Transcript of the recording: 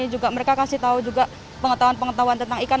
juga mereka kasih tahu juga pengetahuan pengetahuan tentang ikan